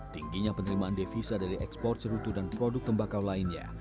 tingginya penerimaan devisa dari ekspor cerutu dan produk tembakau lainnya